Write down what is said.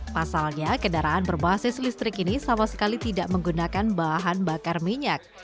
pasalnya kendaraan berbasis listrik ini sama sekali tidak menggunakan bahan bakar minyak